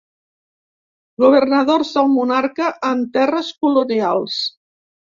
Governadors del monarca en terres colonials.